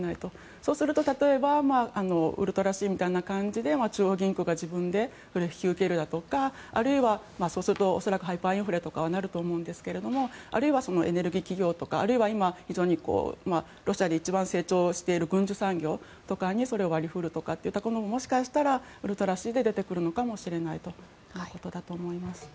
そうすると例えばウルトラＣみたいな感じで中央銀行が自分で引き受けるだとかあるいは、恐らくそうするとハイパーインフレになると思いますがあるいは、エネルギー企業とかあるいは、今ロシアで一番成長している軍事産業とかにそれを割り振るといったもしかしたらウルトラＣで出てくるかもしれないということだと思います。